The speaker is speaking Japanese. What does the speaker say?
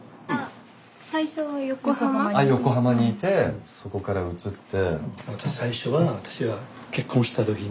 横浜にいてそこから移って。